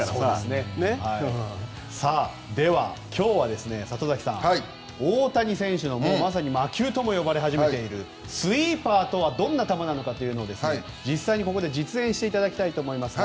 では、今日は里崎さん大谷選手のまさに魔球とも呼ばれ始めているスイーパーとはどんな球なのかを実際にここで実演をしていただきたいと思います。